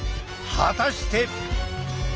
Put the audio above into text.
果たして。